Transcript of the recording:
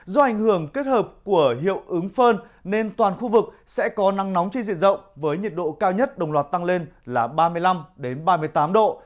do ảnh hưởng kết hợp của hiệu ứng phơn nên toàn khu vực sẽ có nắng nóng trên diện rộng với nhiệt độ cao nhất đồng loạt tăng lên là ba mươi năm ba mươi tám độ